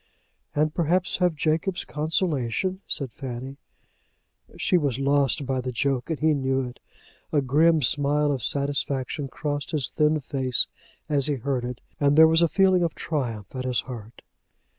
"And perhaps have Jacob's consolation," said Fanny. She was lost by the joke and he knew it. A grim smile of satisfaction crossed his thin face as he heard it, and there was a feeling of triumph at his heart.